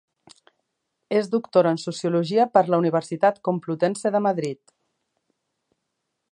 És Doctora en sociologia per la Universitat Complutense de Madrid.